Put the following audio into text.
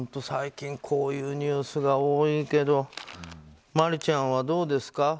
最近こういうニュースが多いけど真里ちゃんはどうですか。